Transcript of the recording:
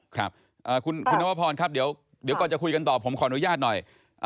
ครับคุณนวพรครับเดี๋ยวก่อนจะคุยกันต่อผมขออนุญาตหน่อย